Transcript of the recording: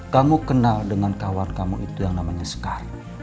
kamu kenal dengan kawan kamu itu yang namanya sekar